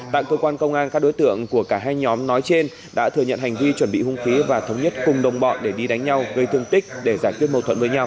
tạng cơ quan công an các đối tượng của cả hai nhóm nói trên đã thừa nhận hành vi chuẩn bị hung khí và thống nhất cùng đồng bọn để đi đánh nhau gây thương tích để giải quyết mâu thuẫn với nhau